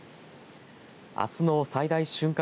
あすの最大瞬間